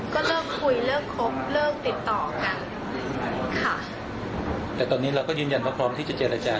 ก็เลิกคุยเลิกคบเลิกติดต่อกันค่ะแต่ตอนนี้เราก็ยืนยันว่าพร้อมที่จะเจรจา